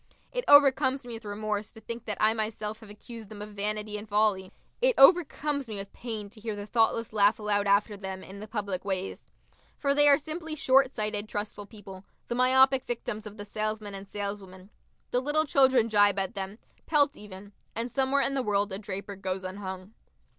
It overcomes me with remorse to think that I myself have accused them of vanity and folly. It overcomes me with pain to hear the thoughtless laugh aloud after them, in the public ways. For they are simply short sighted trustful people, the myopic victims of the salesman and saleswoman. The little children gibe at them, pelt even.... And somewhere in the world a draper goes unhung.